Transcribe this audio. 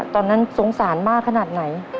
ตอนนั้นสงสารมากขนาดไหน